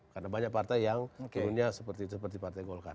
karena banyak partai yang turunnya seperti itu seperti partai golkar